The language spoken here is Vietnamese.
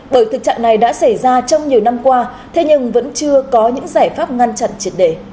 bởi thực trạng này đã xảy ra trong nhiều năm qua thế nhưng vẫn chưa có những giải pháp ngăn chặn triệt đề